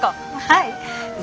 はい。